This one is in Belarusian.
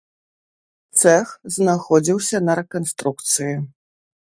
Цэх знаходзіўся на рэканструкцыі.